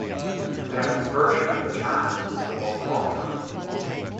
Dennett's version of the term is the most popular.